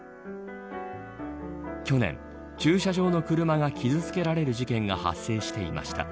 去年、駐車場の車が傷つけられる事件が発生していました。